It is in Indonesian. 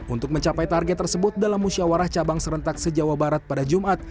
untuk mencapai target tersebut dalam musyawarah cabang serentak se jawa barat pada jumat